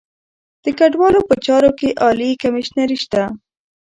د کډوالو په چارو کې عالي کمیشنري شته.